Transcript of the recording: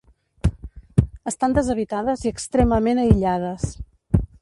Estan deshabitades i extremament aïllades.